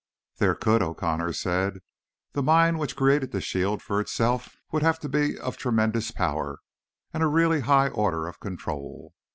"There could," O'Connor said. "The mind which created the shield for itself would have to be of tremendous power and a really high order of control.